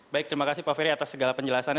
baik terima kasih pak ferry atas segala penjelasannya